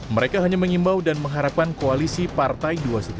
mereka hanya mengimbau dan mengharapkan koalisi partai dua ratus dua belas